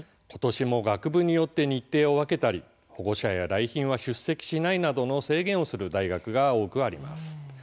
ことしも学部によって日程を分けたり保護者や来賓は出席しないなどの制限をする大学が多くあります。